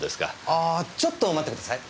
ああちょっと待ってください。